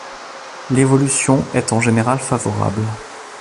L’évolution est en général favorable.